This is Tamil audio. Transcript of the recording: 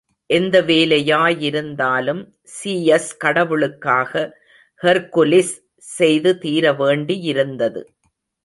எந்த வேலையாயிருந்தாலும், சீயஸ் கடவுளுக்காக ஹெர்க்குலிஸ் செய்து தீரவேண்டியிருந்தது.